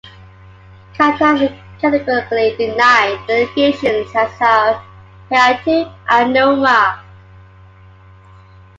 Qatar has categorically denied the allegations, as have Hayatou and Anouma.